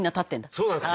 そうなんですよ。